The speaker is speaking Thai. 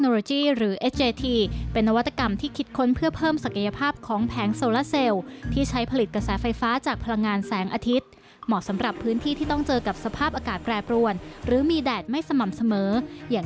และหิมะนานถึง๕เดือน